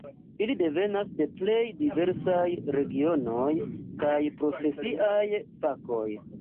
Ili devenas de plej diversaj regionoj kaj profesiaj fakoj.